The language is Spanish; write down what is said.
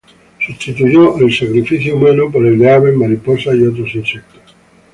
Sustituyó el sacrificio humano por el de aves, mariposas y otros insectos.